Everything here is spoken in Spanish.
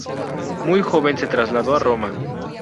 Muy joven se trasladó a Roma.